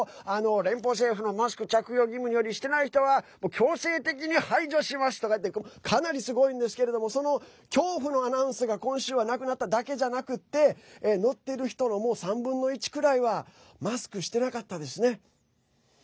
連邦政府のマスク着用義務によりしてない人は強制的に排除しますとかいってかなりすごいんですけれどもその恐怖のアナウンスが今週はなくなっただけじゃなくて乗ってる人の３分の１くらいはマスクしてなかったですね。